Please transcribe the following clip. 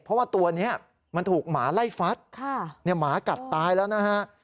เพราะว่าตัวนี้มันถูกหมาไล่ฟัดหมากัดตายแล้วนะฮะ